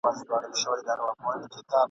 بد بوټۍ بلا نه وهي !.